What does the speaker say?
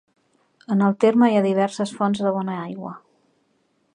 En el terme hi ha diverses fonts de bona aigua.